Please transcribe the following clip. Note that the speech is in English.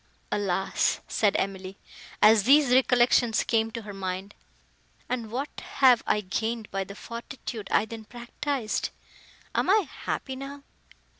—"Alas!" said Emily, as these recollections came to her mind, "and what have I gained by the fortitude I then practised?—am I happy now?